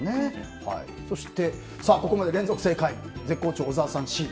そして、ここまで連続正解絶好調、小沢さん、Ｃ。